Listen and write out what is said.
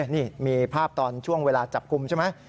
นี่มีภาพตอนช่วงเวลาจับกลุ่มใช่ไหม